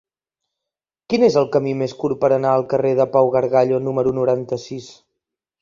Quin és el camí més curt per anar al carrer de Pau Gargallo número noranta-sis?